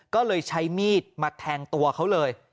ก็เลยใช้มีดมาแทงตัวเขาเลย